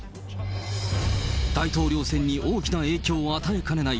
大統領選に大きな影響を与えかねない